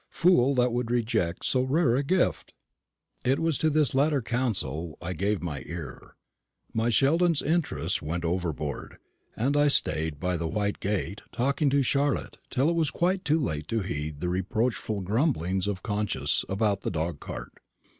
Fool that would reject so rare a gift!" It was to this latter counsellor I gave my ear. My Sheldon's interests went overboard; and I stayed by the white gate, talking to Charlotte, till it was quite too late to heed the reproachful grumblings of conscience about that dog cart.